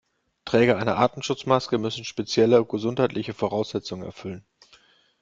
Träger einer Atemschutzmaske müssen spezielle gesundheitliche Voraussetzungen erfüllen.